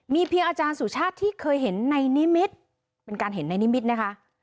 เพียงอาจารย์สุชาติที่เคยเห็นในนิมิตรเป็นการเห็นในนิมิตรนะคะ